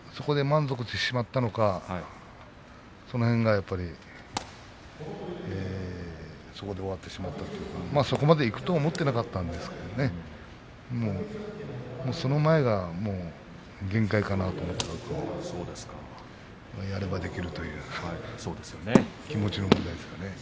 自分もそこで満足してしまったのかその辺がやっぱりそこで終わってしまったというかそこまでいくと思っていなかったのでその前が限界かなと思ったんですがやればできるというか気持ちの問題ですかね。